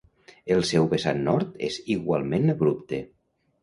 El seu vessant nord és igualment abrupte.